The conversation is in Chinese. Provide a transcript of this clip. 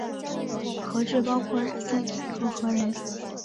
核质包括染色体和核仁。